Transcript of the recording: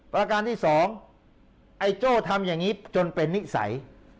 ประการที่สองไอ้โจ้ทำอย่างนี้จนเป็นนิสัย